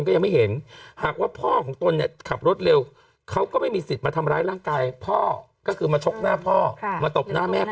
อย่าเพิ่งให้ข่าวนะอย่าไปออกรายการนะนะครับ